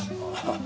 ああ。